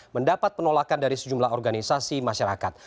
mendapat penolakan dari sejumlah organisasi masyarakat